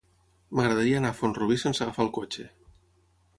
M'agradaria anar a Font-rubí sense agafar el cotxe.